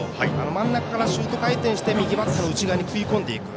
真ん中からシュート回転して右バッターの内側に食い込んでいく。